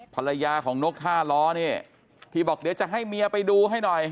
ภรรยาของนกท่าล้อเนี่ยที่บอกเดี๋ยวจะให้เมียไปดูให้หน่อย